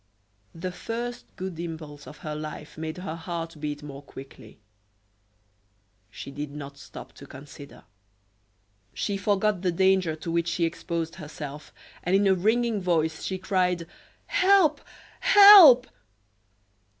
The first good impulse of her life made her heart beat more quickly. She did not stop to consider; she forgot the danger to which she exposed herself, and in a ringing voice she cried: "Help! help!"